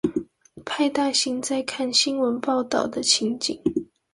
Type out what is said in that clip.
派大星在看新聞報導的情景